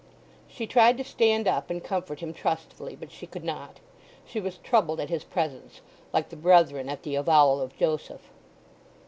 She tried to stand up and comfort him trustfully; but she could not; she was troubled at his presence, like the brethren at the avowal of Joseph.